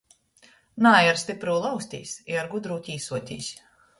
Naej ar stypru lauztīs i ar gudru tīsuotīs.